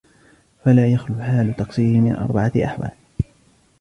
فَلَا يَخْلُو حَالَ تَقْصِيرِهِ مِنْ أَرْبَعَةِ أَحْوَالٍ